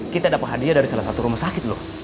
kita dapat hadiah dari salah satu rumah sakit loh